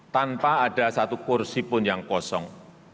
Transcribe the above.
tanpa ada satu kursi pun yang kosong